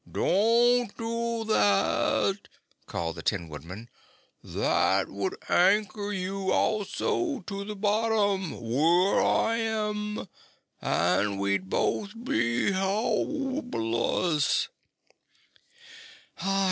"Don't do that!" called the tin man. "That would anchor you also to the bottom, where I am, and we'd both be helpless."